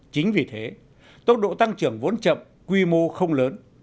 chính vì thế tốc độ tăng trưởng vốn chậm quy mô không lớn